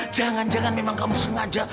jangan jangan memang kamu sengaja